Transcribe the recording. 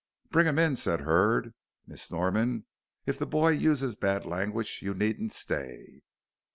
"Bring him in," said Hurd. "Miss Norman, if the boy uses bad language, you needn't stay."